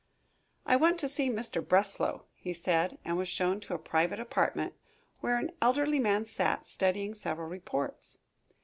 "I want to see Mr. Breslow," he said, and was shown to a private apartment, where an elderly man sat, studying several reports.